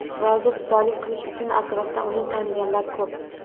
Rozi-rizolik qilish uchun atrofda uni taniganlar ko’p.